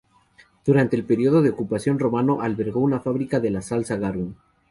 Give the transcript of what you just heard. Durante el período de ocupación romano, albergó una fábrica de la salsa Garum.